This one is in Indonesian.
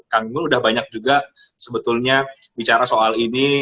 kang gunggun udah banyak juga sebetulnya bicara soal ini